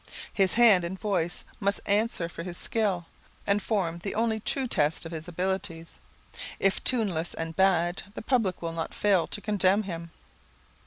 His hand and voice must answer for his skill, and form the only true test of his abilities. If tuneless and bad, the public will not fail to condemn him.